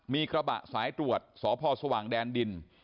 มีกระบะสายตรวจสพสว่างแดนดิน